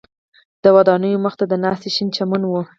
د ودانیو مخ ته د ناستي شین چمن و.